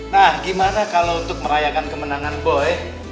nah gimana kalau untuk merayakan kemenangan boy